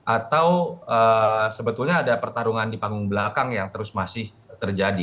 atau sebetulnya ada pertarungan di panggung belakang yang terus masih terjadi